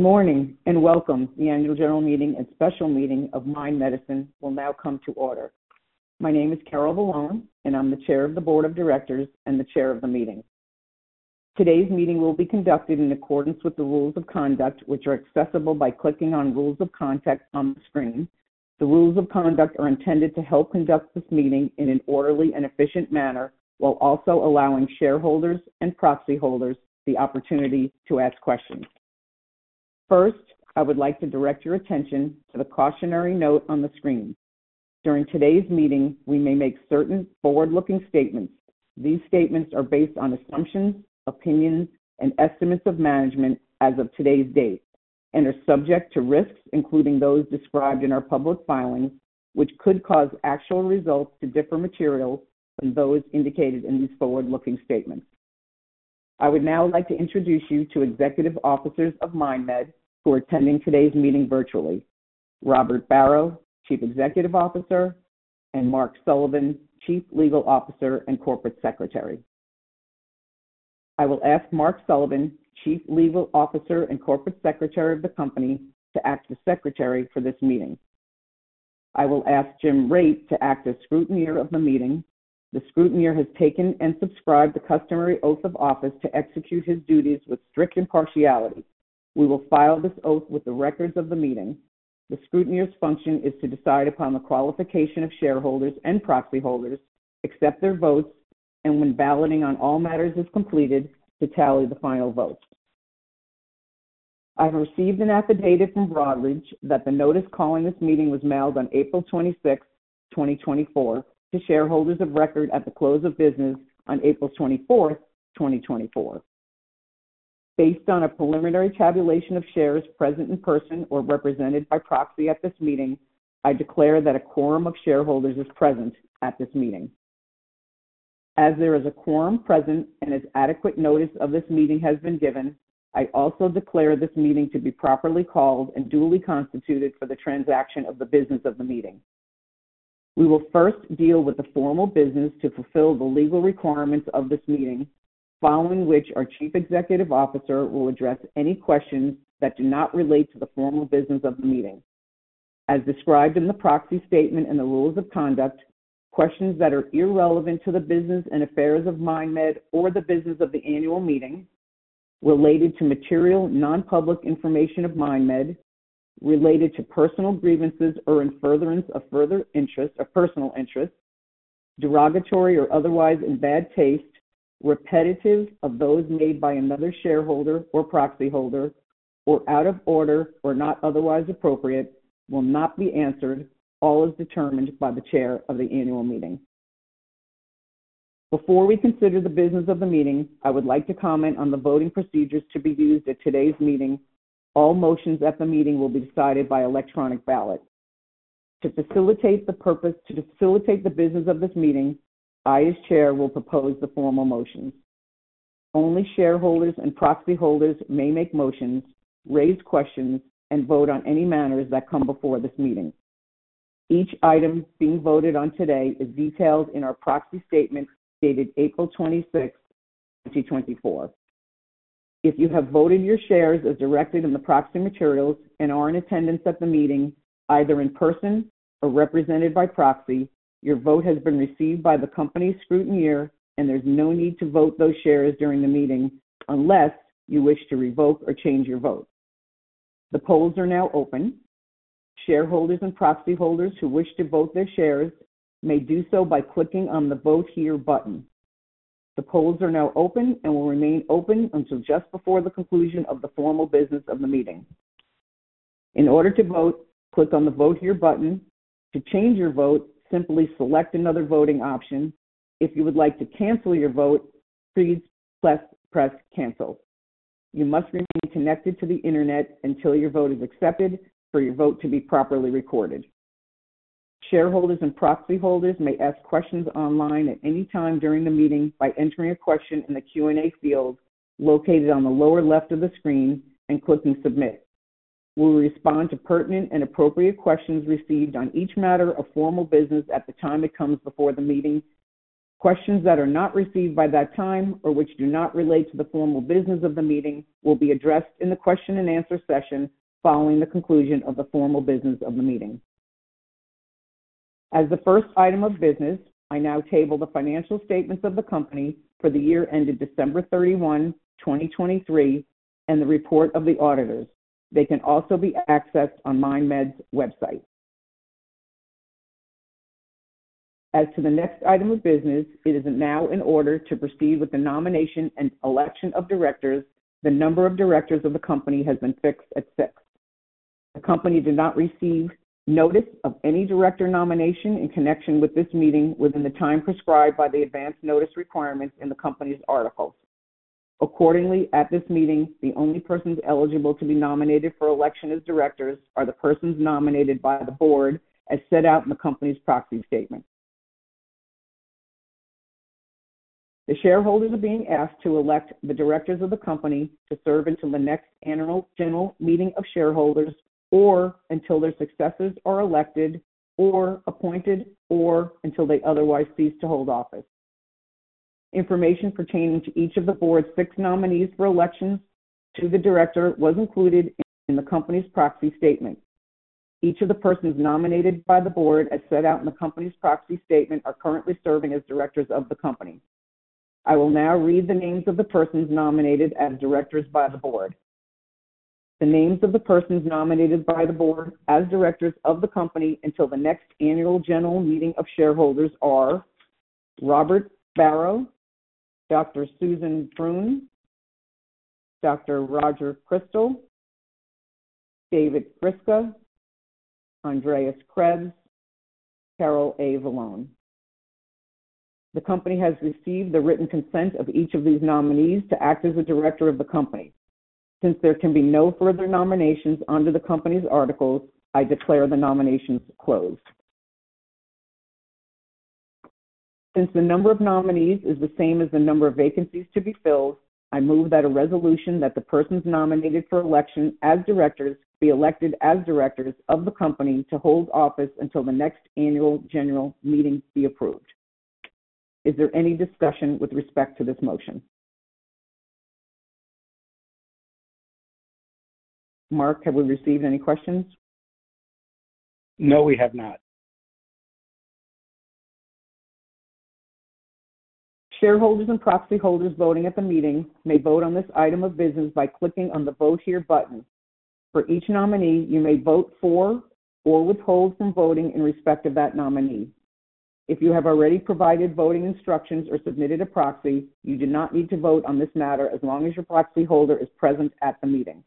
Good morning, and welcome. The Annual General Meeting and Special Meeting of Mind Medicine will now come to order. My name is Carol Vallone, and I'm the chair of the board of directors and the chair of the meeting. Today's meeting will be conducted in accordance with the rules of conduct, which are accessible by clicking on Rules of Conduct on the screen. The rules of conduct are intended to help conduct this meeting in an orderly and efficient manner, while also allowing shareholders and proxy holders the opportunity to ask questions. First, I would like to direct your attention to the cautionary note on the screen. During today's meeting, we may make certain forward-looking statements. These statements are based on assumptions, opinions, and estimates of management as of today's date and are subject to risks, including those described in our public filings, which could cause actual results to differ materially from those indicated in these forward-looking statements. I would now like to introduce you to executive officers of MindMed who are attending today's meeting virtually. Robert Barrow, Chief Executive Officer, and Mark Sullivan, Chief Legal Officer and Corporate Secretary. I will ask Mark Sullivan, Chief Legal Officer and Corporate Secretary of the company, to act as Secretary for this meeting. I will ask Jim Raitt to act as scrutineer of the meeting. The scrutineer has taken and subscribed the customary oath of office to execute his duties with strict impartiality. We will file this oath with the records of the meeting. The scrutineer's function is to decide upon the qualification of shareholders and proxy holders, accept their votes, and when balloting on all matters is completed, to tally the final vote. I have received an affidavit from Broadridge that the notice calling this meeting was mailed on April 26, 2024, to shareholders of record at the close of business on April 24, 2024. Based on a preliminary tabulation of shares present in person or represented by proxy at this meeting, I declare that a quorum of shareholders is present at this meeting. As there is a quorum present and as adequate notice of this meeting has been given, I also declare this meeting to be properly called and duly constituted for the transaction of the business of the meeting. We will first deal with the formal business to fulfill the legal requirements of this meeting, following which our Chief Executive Officer will address any questions that do not relate to the formal business of the meeting. As described in the proxy statement and the rules of conduct, questions that are irrelevant to the business and affairs of MindMed or the business of the annual meeting related to material, non-public information of MindMed, related to personal grievances or in furtherance of further interest, of personal interest, derogatory or otherwise in bad taste, repetitive of those made by another shareholder or proxy holder, or out of order or not otherwise appropriate, will not be answered, all as determined by the chair of the annual meeting. Before we consider the business of the meeting, I would like to comment on the voting procedures to be used at today's meeting. All motions at the meeting will be decided by electronic ballot. To facilitate the business of this meeting, I, as chair, will propose the formal motions. Only shareholders and proxy holders may make motions, raise questions, and vote on any matters that come before this meeting. Each item being voted on today is detailed in our proxy statement dated April 26, 2024. If you have voted your shares as directed in the proxy materials and are in attendance at the meeting, either in person or represented by proxy, your vote has been received by the company scrutineer and there's no need to vote those shares during the meeting unless you wish to revoke or change your vote. The polls are now open. Shareholders and proxy holders who wish to vote their shares may do so by clicking on the Vote Here button. The polls are now open and will remain open until just before the conclusion of the formal business of the meeting. In order to vote, click on the Vote Here button. To change your vote, simply select another voting option. If you would like to cancel your vote, please press Cancel. You must remain connected to the internet until your vote is accepted for your vote to be properly recorded. Shareholders and proxy holders may ask questions online at any time during the meeting by entering a question in the Q&A field located on the lower left of the screen and clicking Submit. We will respond to pertinent and appropriate questions received on each matter of formal business at the time it comes before the meeting. Questions that are not received by that time or which do not relate to the formal business of the meeting, will be addressed in the question and answer session following the conclusion of the formal business of the meeting. As the first item of business, I now table the financial statements of the company for the year ended December 31, 2023, and the report of the auditors. They can also be accessed on MindMed's website. As to the next item of business, it is now in order to proceed with the nomination and election of directors. The number of directors of the company has been fixed at six. The company did not receive notice of any director nomination in connection with this meeting within the time prescribed by the advance notice requirements in the company's articles. Accordingly, at this meeting, the only persons eligible to be nominated for election as directors are the persons nominated by the board as set out in the company's proxy statement. The shareholders are being asked to elect the directors of the company to serve until the next Annual General Meeting of shareholders, or until their successors are elected or appointed, or until they otherwise cease to hold office. Information pertaining to each of the board's six nominees for elections to the director was included in the company's proxy statement. Each of the persons nominated by the board, as set out in the company's proxy statement, are currently serving as directors of the company. I will now read the names of the persons nominated as directors by the board. The names of the persons nominated by the board as directors of the company until the next annual general meeting of shareholders are Robert Barrow, Dr. Suzanne Bruhn, Dr. Roger Crystal, David Gryska, Andreas Krebs, Carol Vallone. The company has received the written consent of each of these nominees to act as a director of the company. Since there can be no further nominations under the company's articles, I declare the nominations closed. Since the number of nominees is the same as the number of vacancies to be filled, I move that a resolution that the persons nominated for election as directors be elected as directors of the company to hold office until the next annual general meeting be approved. Is there any discussion with respect to this motion? Mark, have we received any questions? No, we have not. Shareholders and proxy holders voting at the meeting may vote on this item of business by clicking on the Vote Here button. For each nominee, you may vote for or withhold from voting in respect of that nominee. If you have already provided voting instructions or submitted a proxy, you do not need to vote on this matter as long as your proxy holder is present at the meeting.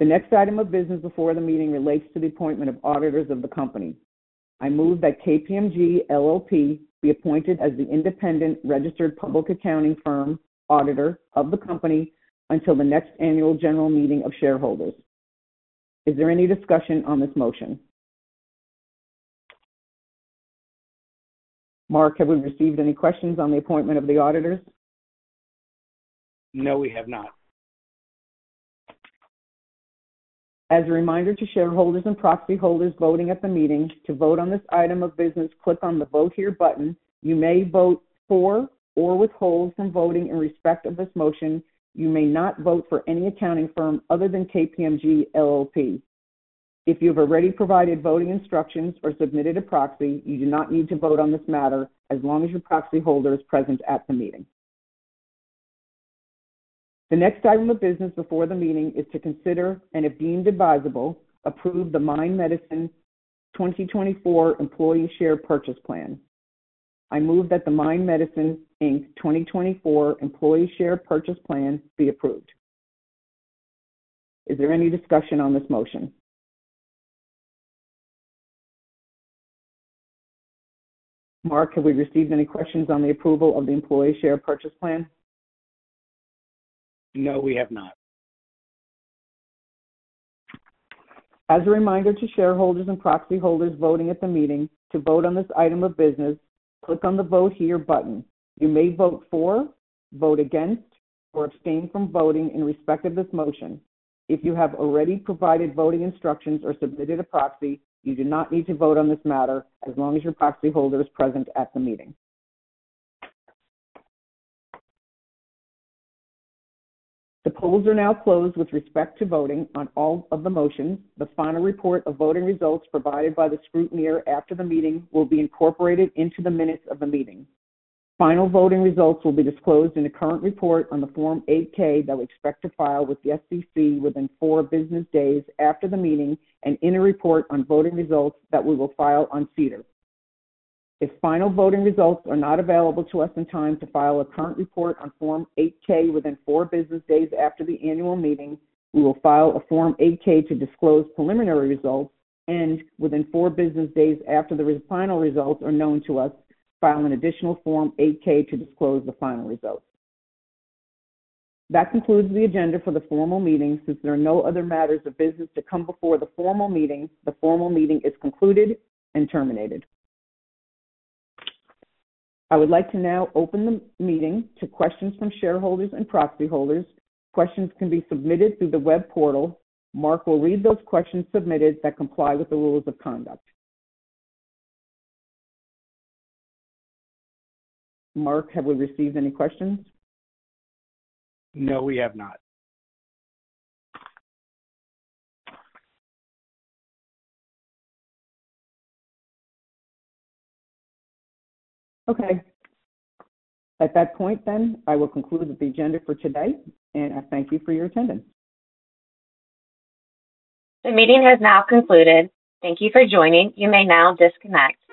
The next item of business before the meeting relates to the appointment of auditors of the company. I move that KPMG LLP be appointed as the independent registered public accounting firm auditor of the company until the next annual general meeting of shareholders. Is there any discussion on this motion? Mark, have we received any questions on the appointment of the auditors? No, we have not. As a reminder to shareholders and proxy holders voting at the meeting, to vote on this item of business, click on the Vote Here button. You may vote for or withhold from voting in respect of this motion. You may not vote for any accounting firm other than KPMG LLP. If you've already provided voting instructions or submitted a proxy, you do not need to vote on this matter as long as your proxy holder is present at the meeting. The next item of business before the meeting is to consider, and if deemed advisable, approve the Mind Medicine 2024 Employee Share Purchase Plan. I move that the Mind Medicine Inc. 2024 Employee Share Purchase Plan be approved. Is there any discussion on this motion? Mark, have we received any questions on the approval of the employee share purchase plan? No, we have not. As a reminder to shareholders and proxy holders voting at the meeting, to vote on this item of business, click on the Vote Here button. You may vote for, vote against, or abstain from voting in respect of this motion. If you have already provided voting instructions or submitted a proxy, you do not need to vote on this matter as long as your proxy holder is present at the meeting. The polls are now closed with respect to voting on all of the motions. The final report of voting results provided by the scrutineer after the meeting will be incorporated into the minutes of the meeting. Final voting results will be disclosed in a current report on the Form 8-K that we expect to file with the SEC within four business days after the meeting and in a report on voting results that we will file on SEDAR. If final voting results are not available to us in time to file a current report on Form 8-K within four business days after the annual meeting, we will file a Form 8-K to disclose preliminary results, and within four business days after the final results are known to us, file an additional Form 8-K to disclose the final results. That concludes the agenda for the formal meeting. Since there are no other matters of business to come before the formal meeting, the formal meeting is concluded and terminated. I would like to now open the meeting to questions from shareholders and proxy holders. Questions can be submitted through the web portal. Mark will read those questions submitted that comply with the rules of conduct. Mark, have we received any questions? No, we have not. Okay, at that point then, I will conclude the agenda for tonight, and I thank you for your attendance. The meeting has now concluded. Thank you for joining. You may now disconnect.